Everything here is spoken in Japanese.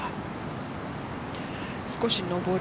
少し上り。